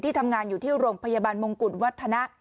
ทำงานอยู่ที่โรงพยาบาลมงกุฎวัฒนะ